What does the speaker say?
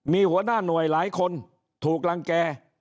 มีหัวหน้าหน่วยหลายคนถูกรังแก่